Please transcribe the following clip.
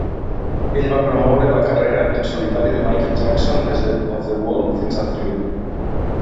Ell va promoure la carrera en solitari de Michael Jackson des de "Off the Wall" fins a "Thriller".